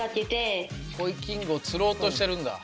コイキングを釣ろうとしているんだ。